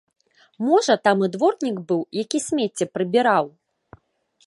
Можа, там і дворнік быў, які смецце прыбіраў?